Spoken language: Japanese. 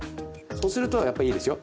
そうするとやっぱりいいですよ。